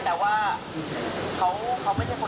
ต้องถูกกำลังทำคดีด้วยเพราะว่าตัวเองก็เป็นผู้เล่นแก่ฟนัก